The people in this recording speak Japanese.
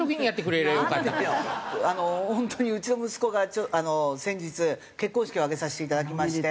あの本当にうちの息子が先日結婚式を挙げさせていただきまして。